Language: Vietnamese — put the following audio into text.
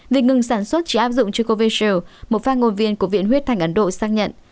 vì ngừng sản xuất chỉ áp dụng cho covishield một phát ngôn viên của viện huyết thanh ấn độ xác nhận